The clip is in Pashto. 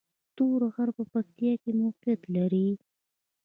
تور غر په پکتیا کې موقعیت لري